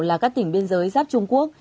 là các tỉnh biên giới giáp trung quốc